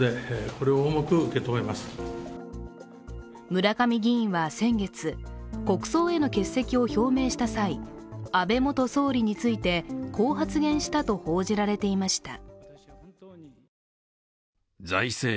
村上議員は先月、国葬への欠席を表明した際、安倍元総理についてこう発言したと報じられていました。